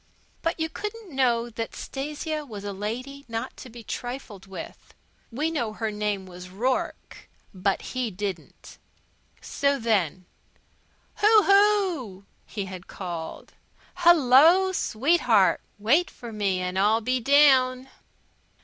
But you couldn't know that Stasia was a lady not to be trifled with. We know her name was Rourke, but he didn't. So then: "Hoo Hoo!" he had called. "Hello, sweetheart! Wait for me and I'll be down."